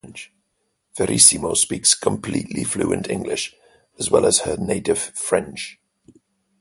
Verissimo speaks completely fluent English, as well as her native French.